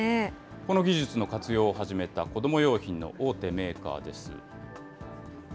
この技術の活用を始めた子ども用品の大手メーカーです。